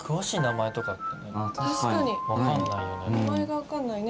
分かんないよね。